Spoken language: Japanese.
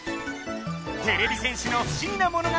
てれび戦士の不思議な物語を一気見だ！